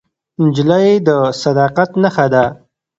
نجلۍ د صداقت نښه ده.